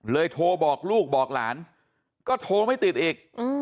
โทรบอกลูกบอกหลานก็โทรไม่ติดอีก